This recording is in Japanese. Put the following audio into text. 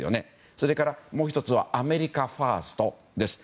それから、もう１つはアメリカファーストです。